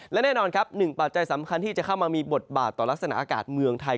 และแน่นอนครับหนึ่งปัจจัยสำคัญที่จะเข้ามามีบทบาทต่อลักษณะอากาศเมืองไทย